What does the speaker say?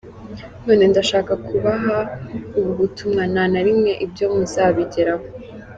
None ndashaka kubaha ubu butumwa: nta na rimwe ibyo muzabigeraho.